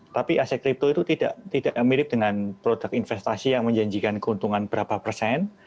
tapi aset kripto itu tidak mirip dengan produk investasi yang menjanjikan keuntungan berapa persen